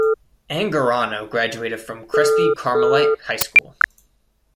Angarano graduated from Crespi Carmelite High School.